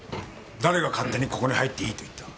誰が勝手にここに入っていいと言った。